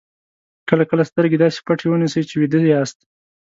کله کله سترګې داسې پټې ونیسئ چې ویده یاست.